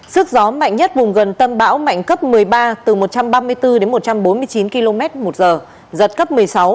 sức gió mạnh nhất vùng gần tâm bão mạnh cấp một mươi ba từ một trăm ba mươi bốn đến một trăm bốn mươi chín km một giờ giật cấp một mươi sáu